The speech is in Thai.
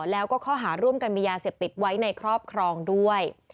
แล้วก็ข้อหาร่วมกันมียาเสพติดไว้ในครอบครองด้วย